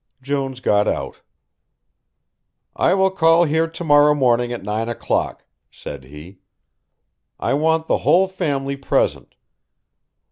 Jones got out. "I will call here to morrow morning at nine o'clock," said he. "I want the whole family present."